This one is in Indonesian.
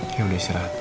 ya udah istirahat